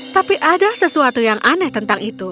tapi ada sesuatu yang aneh tentang itu